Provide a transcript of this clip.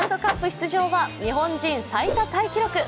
出場は日本人最多タイ記録。